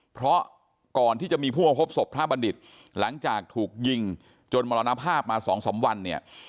เพราะก่อนที่จะมีผู้มาพบศพพระบัณฑิตหลังจากถูกยิงจนมรณภาพมา๒๓วันเนี่ย